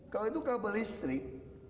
kalau itu kabel listrik